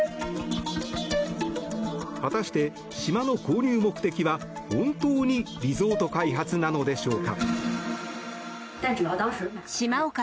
果たして、島の購入目的は本当にリゾート開発なのでしょうか。